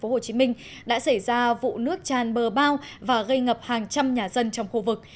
quận một mươi hai tp hcm đã xảy ra vụ nước tràn bờ bao và gây ngập hàng trăm nhà dân trong khu vực